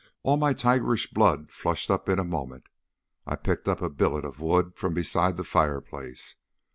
All my tigerish blood flushed up in a moment. I picked up a billet of wood from beside the fireplace.